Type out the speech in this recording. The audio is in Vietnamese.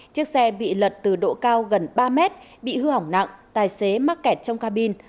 chiếc xe bị lật từ độ cao gần ba mét bị hư hỏng nặng tài xế mắc kẹt trong cabin